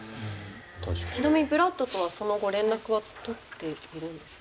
ちなみにブラッドとはその後連絡は取っているんですか？